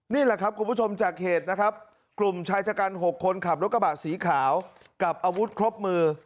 นี่แหละครับคุณผู้ชมจากเหตุนะครับกลุ่มชายชะกัน๖คนขับรถกระบะสีขาวกับอาวุธครบมือ